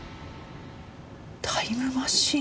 タイムマシン？